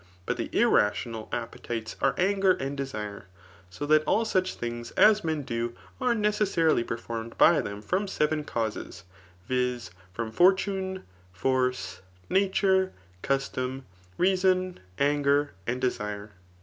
But the irrational ap petites are anger and de^re ; so that all such things as men do, are necessarily performed by them from seven causes, viz. from fortune, force, nature, custom, reason,' anger and desire.